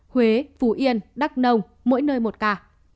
huế phú yên đắk nông mỗi nơi một ca